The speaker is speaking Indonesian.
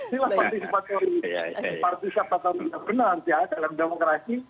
silahkan partisipasi partisipasi yang benar ya dalam demokrasi